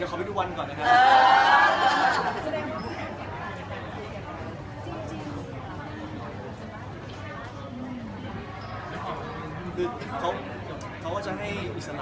ดูหอมบ้านทำเรือกันที่นี่เลย